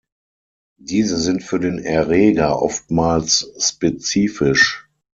Diese sind für den Erreger oftmals spezifisch.